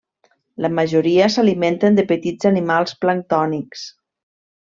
La majoria s'alimenten de petits animals planctònics.